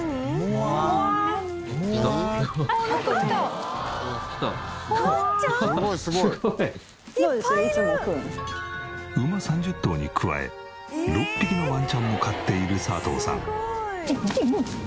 馬３０頭に加え６匹のワンちゃんも飼っている佐藤さん。